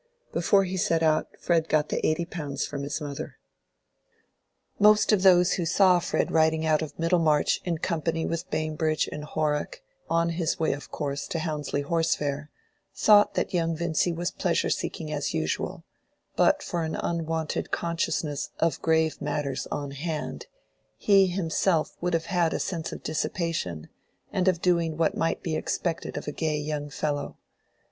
Before he set out, Fred got the eighty pounds from his mother. Most of those who saw Fred riding out of Middlemarch in company with Bambridge and Horrock, on his way of course to Houndsley horse fair, thought that young Vincy was pleasure seeking as usual; and but for an unwonted consciousness of grave matters on hand, he himself would have had a sense of dissipation, and of doing what might be expected of a gay young fellow.